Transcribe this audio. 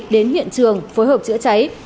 đến hiện trường phối hợp chữa cháy